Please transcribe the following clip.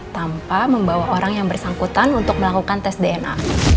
tanpa membawa orang yang bersangkutan untuk melakukan tes dna